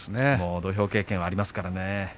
土俵経験がありますからね。